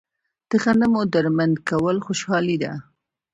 د غنمو درمند کول خوشحالي ده.